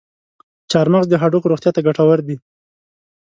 چارمغز د هډوکو روغتیا ته ګټور دی.